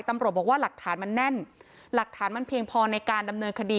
ตำรวจบอกว่าหลักฐานมันแน่นหลักฐานมันเพียงพอในการดำเนินคดี